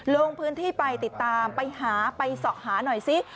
ลงพื้นที่ไปติดตามไปหาไปเสาะหาหน่อยซิ